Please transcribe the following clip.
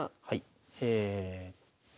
はい。